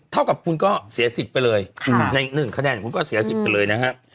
เท่ากับคุณก็เสียสิทธิ์ไปเลยใน๑คะแนนคุณก็เสียสิทธิ์ไปเลยนะฮะ